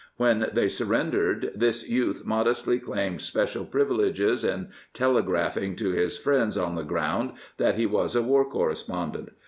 When they surrendered this youth modestly claimed special privileges in telegraphing to his friends on the ground that he was a war correspondent.